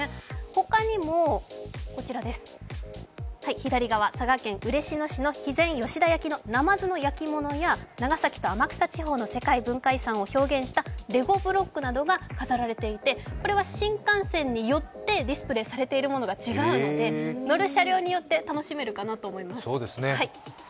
他にも、佐賀県嬉野市の肥前吉田焼のなまずの焼き物や長崎と天草地方の世界文化遺産を表現したレゴブロックなどが飾られていて、これは新幹線によってディスプレーされているものが違うので乗る車両によって楽しめるかなと思います。